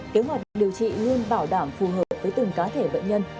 kế hoạch điều trị luôn bảo đảm phù hợp với từng cá thể bệnh nhân